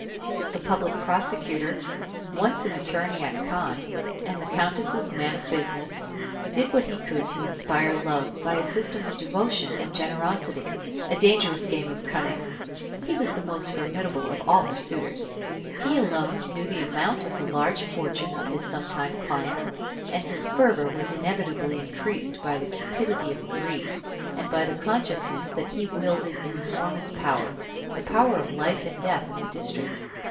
The public prosecutor, once an attorney at Caen, and the Countess's man of business, did what he could to inspire love by a system of devotion and generosity, a dangerous game of cunning! He was the most formidable of all her suitors. He alone knew the amount of the large fortune of his sometime client, and his fervor was inevitably increased by the cupidity of greed, and by the consciousness that he wielded an enormous power, the power of life and death in the district.